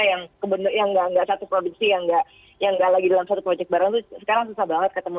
yang nggak satu produksi yang nggak lagi dalam satu proyek bareng tuh sekarang susah banget ketemu